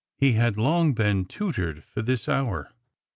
He had long been tutored for this hour.